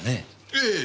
ええ。